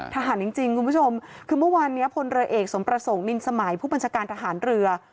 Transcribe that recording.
จริงคุณผู้ชมคือเมื่อวานนี้พลเรือเอกสมประสงค์นินสมัยผู้บัญชาการทหารเรือ